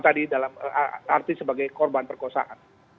jadi dalam arti sebagai korban perkosaan